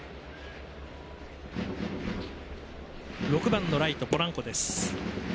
６番のライト、ポランコです。